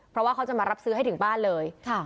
เพราะว่าเขาจะมารับซื้อให้ถึงบ้านเลย